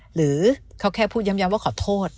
หรือเขาแค่พูดย้ำว่าขอโทษ